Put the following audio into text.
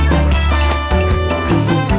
เปลี่ยนคู่